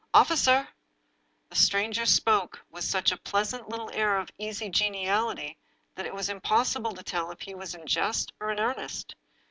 Officer!" The stranger spoke with such a pleasant little air of easy geniality that it was impossible to tell if he were in jest or in earnest.